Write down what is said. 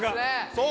そう！